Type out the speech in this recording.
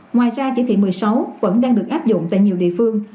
ngoài ra chỉ thị một mươi sáu vẫn đang được áp dụng tại nhiều địa phương